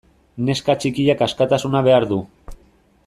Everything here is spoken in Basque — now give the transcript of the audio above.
Neska txikiak askatasuna behar du.